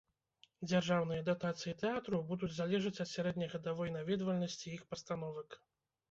Дзяржаўныя датацыі тэатраў будуць залежаць ад сярэднегадавой наведвальнасці іх пастановак.